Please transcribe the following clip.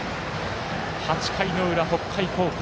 ８回の裏、北海高校。